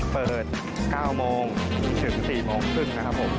เปิด๙โมงถึง๔โมงครึ่งนะครับผม